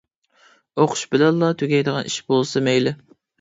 ئوقۇش بىلەنلا تۈگەيدىغان ئىش بولسا مەيلى.